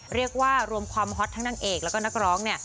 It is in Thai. เรียกว่ารวมความฮอตทั้งนางเอกแล้วก็นักร้องเนี่ย